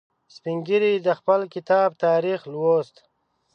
سپین ږیری د خپل کتاب تاریخ لوست.